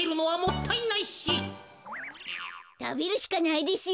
たべるしかないですよね。